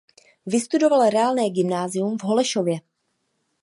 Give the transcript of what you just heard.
Vystudoval reálné gymnázium v Holešově.